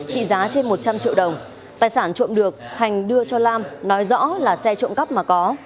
trị giá trên một trăm linh triệu đồng tài sản trộm được thành đưa cho lam nói rõ là xe trộm cắp mà có